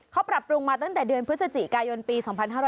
เขาปรับปรุงมาตั้งแต่เดือนพฤศจิกายนปี๒๕๕๙